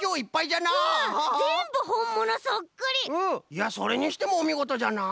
いやそれにしてもおみごとじゃな！